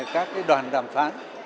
các đoàn đàm phán